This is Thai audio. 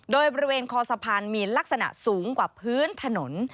โดยบริเวณคอสะพานมีลักษณะสูงกว่าพื้นถนน